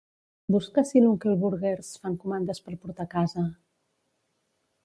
Busca si l'Uncle Burgers fan comandes per portar a casa.